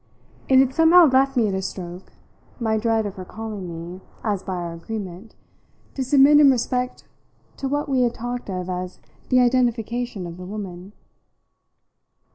It had somehow left me at a stroke, my dread of her calling me, as by our agreement, to submit in respect to what we had talked of as the identification of the woman.